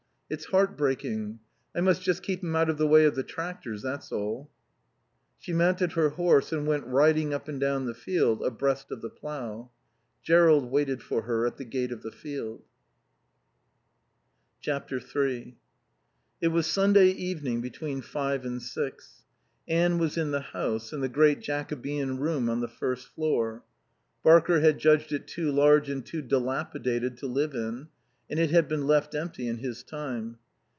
It's heart breaking. I must just keep him out of the way of the tractors, that's all." She mounted her horse and went riding up and down the field, abreast of the plough. Jerrold waited for her at the gate of the field. iii It was Sunday evening between five and six. Anne was in the house, in the great Jacobean room on the first floor. Barker had judged it too large and too dilapidated to live in, and it had been left empty in his time.